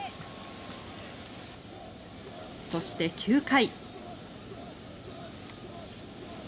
そして、９回。